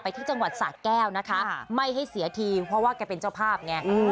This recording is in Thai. ที่จังหวัดสะแก้วนะคะไม่ให้เสียทีเพราะว่าแกเป็นเจ้าภาพไง